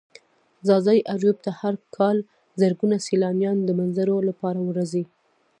ځاځي اريوب ته هر کال زرگونه سيلانيان د منظرو لپاره ورځي.